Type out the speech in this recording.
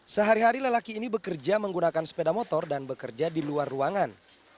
sehari hari lelaki ini bekerja menggunakan sepeda motor dan bekerja di luar ruangan